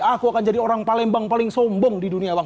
aku akan jadi orang palembang paling sombong di dunia bang